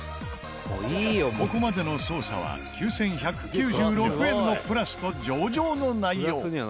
ここまでの捜査は９１９６円のプラスと上々の内容。